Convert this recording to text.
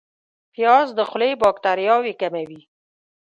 پیاز د خولې باکتریاوې کموي